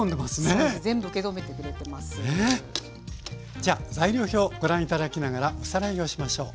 じゃあ材料表をご覧頂きながらおさらいをしましょう。